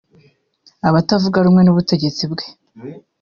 Abatavuga rumwe n’ubutegetsi bwe